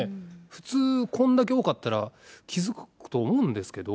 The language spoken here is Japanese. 普通こんだけ多かったら、気付くと思うんですけど。